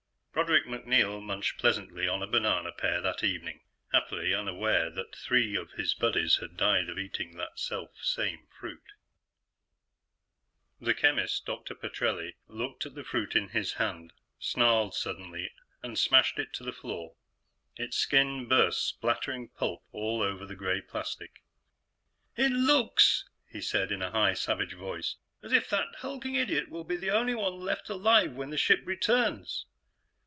Broderick MacNeil munched pleasantly on a banana pear that evening, happily unaware that three of his buddies had died of eating that self same fruit. The chemist, Dr. Petrelli, looked at the fruit in his hand, snarled suddenly, and smashed it to the floor. Its skin burst, splattering pulp all over the gray plastic. "It looks," he said in a high, savage voice, "as if that hulking idiot will be the only one left alive when the ship returns!"